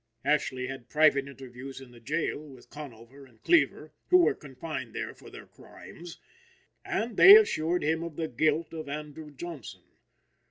Ashley had private interviews in the jail with Conover and Cleaver, who were confined there for their crimes, and they assured him of the guilt of Andrew Johnson.